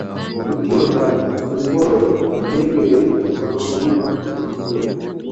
vivutio vya bongoyo ni ndege weupe wanaoruka huku na kule